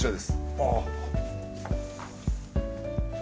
ああ。